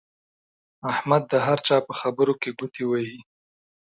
احمد د هر چا په خبره کې ګوته وهي.